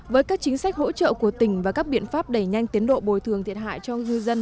với các chính sách hỗ trợ của tỉnh và các biện pháp đẩy nhanh tiến độ bồi thường thiệt hại cho ngư dân